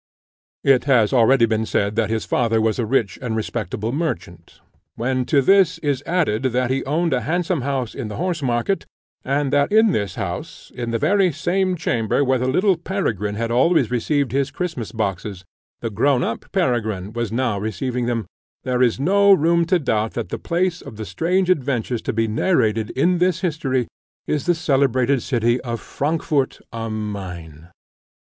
It has been already said that his father was a rich and respectable merchant; when to this is added that he owned a handsome house in the Horse market, and that in this house, in the very same chamber where the little Peregrine had always received his Christmas boxes, the grown up Peregrine was now receiving them, there is no room to doubt that the place of the strange adventures to be narrated in this history is the celebrated city of Frankfort on the Maine.